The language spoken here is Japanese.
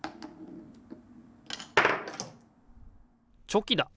チョキだ！